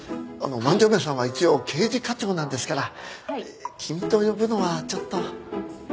万城目さんは一応刑事課長なんですから「君」と呼ぶのはちょっと。